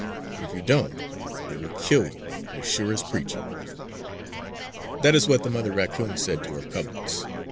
If you don't they will kill you as sure as preaching!" That is what the mother raccoon said to her cublets.